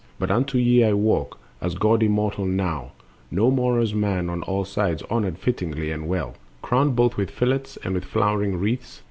But unto ye I walk As god immortal now, no more as man, On all sides honored fittingly and well, Crowned both with fillets and with flowering wreaths.